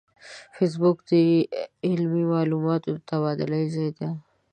فېسبوک د علمي معلوماتو د تبادلې ځای دی